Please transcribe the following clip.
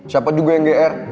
siapa juga yang gr